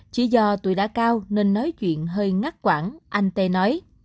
chỉ do tuổi đã cao nên nói chuyện hơi ngắt quảng anh tê nói